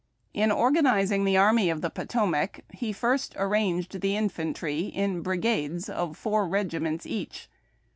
In organizing' the Army of the Potomac he first arranged the infantry in brigades of four regiments each.